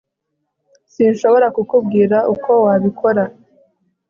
sinshobora kukubwira uko wabikora